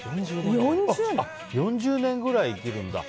４０年くらい生きるんだ。